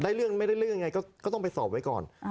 เรื่องไม่ได้เรื่องยังไงก็ต้องไปสอบไว้ก่อน